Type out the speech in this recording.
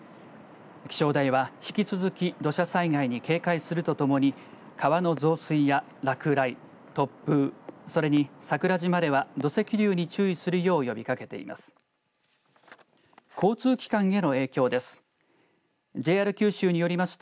気象台は引き続き土砂災害に警戒するとともに川の増水や落雷突風、それに桜島では土石流に注意するよう呼びかけています。